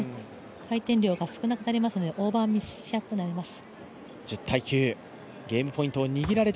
回転量が少なくなりますのでオーバーミスしやすくなります。